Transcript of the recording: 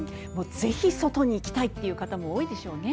ぜひ外に行きたいという方も多いでしょうね。